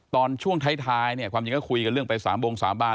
ตอนช่วงท้ายเนี่ยความจริงก็คุยกันเรื่องไปสามบงสาบาน